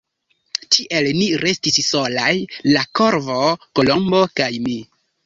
Tiel ni restis solaj — la Korvo, Kolombo kaj mi.